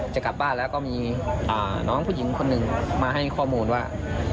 จะกลับบ้านแล้วก็มีน้องผู้หญิงคนหนึ่งมาให้ข้อมูลว่า